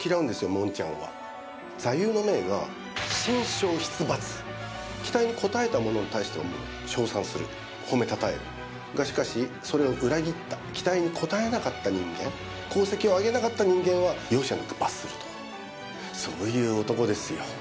門ちゃんは座右の銘が信賞必罰期待に応えた者に対しては賞賛する褒めたたえるがしかしそれを裏切った期待に応えなかった人間功績をあげなかった人間は容赦なく罰するとそういう男ですよ